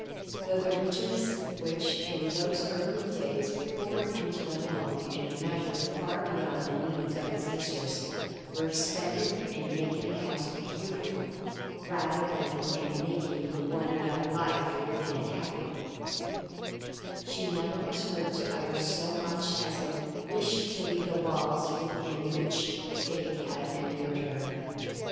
Though the riches, which in those early days poured into the home in a measure far beyond the needs of its mistress, were expended in making the house beautiful rather than in making the one young life within it happy, she never was heard to utter so much as a wish to leave the walls within which fate had immured her.